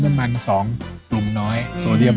ใช่น้ำมันสองกลุ่มน้อยโซเดียม